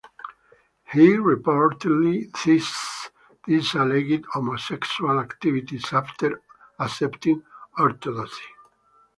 He reportedly ceased these alleged homosexual activities after accepting Orthodoxy.